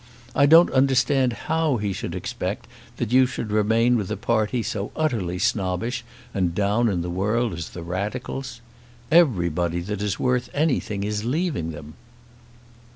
I don't understand how he should expect that you should remain with a party so utterly snobbish and down in the world as the Radicals. Everybody that is worth anything is leaving them."